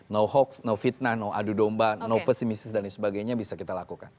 no hoax no fitnah no adu domba no pesimistis dan sebagainya bisa kita lakukan